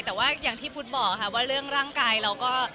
แต่ว่าอย่างที่พุทธบอกค่ะว่าเรื่องร่างกายเราก็